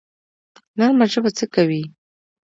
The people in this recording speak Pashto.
نرمه ژبه څه کوي؟